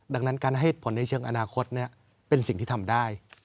ดังนั้นการให้ผลในเชิงอนาคตเป็นสิ่งที่ทำได้